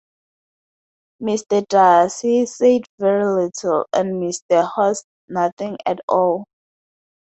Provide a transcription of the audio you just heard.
Mr. Darcy said very little, and Mr. Hurst nothing at all.